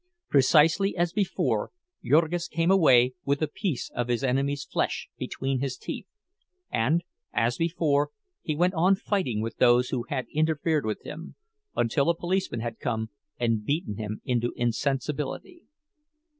Precisely as before, Jurgis came away with a piece of his enemy's flesh between his teeth; and, as before, he went on fighting with those who had interfered with him, until a policeman had come and beaten him into insensibility.